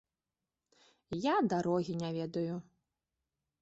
Я дарогі не ведаю.